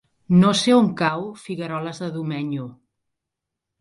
No sé on cau Figueroles de Domenyo.